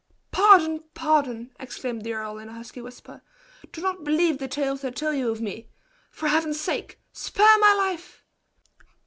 "Pardon! Pardon!" exclaimed the earl, in a husky whisper. "Do not believe the tales they tell you of me. For Heaven's sake, spare my life!"